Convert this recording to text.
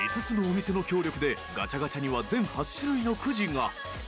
［５つのお店の協力でガチャガチャには全８種類のくじが］